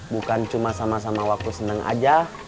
bukan cuma sama sama waktu senang aja